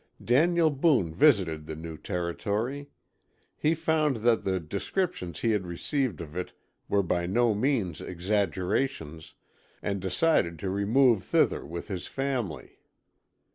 Daniel Boone visited the new territory. He found that the descriptions he had received of it were by no means exaggerations, and decided to remove thither with his family.